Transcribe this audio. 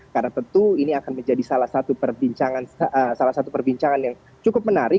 karena tentu ini akan menjadi salah satu perbincangan yang cukup menarik